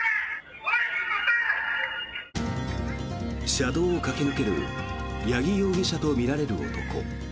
車道を駆け抜ける八木容疑者とみられる男。